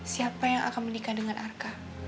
siapa yang akan menikah dengan arka